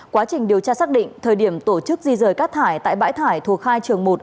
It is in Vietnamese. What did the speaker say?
quá trình điều tra xác định thời điểm tổ chức di rời các thải tại bãi thải thuộc khai trường một